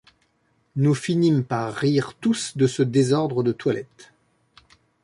Nous finîmes par rire tous de ce désordre de toilette.